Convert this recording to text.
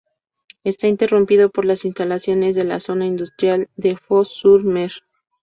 Está interrumpido por las instalaciones de la zona industrial de Fos-sur-Mer.